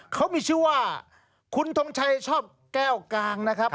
เขามีชื่อว่าคุณทงชัยชอบแก้วกลางนะครับ